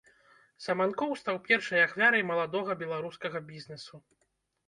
Саманкоў стаў першай ахвярай маладога беларускага бізнесу.